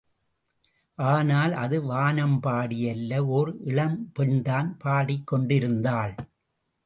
ஆனால் அது வானம்பாடியல்ல ஓர் இளம்பெண்தான் பாடிக்கொண்டிருந்தாள்.